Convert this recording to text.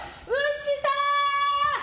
牛さーん！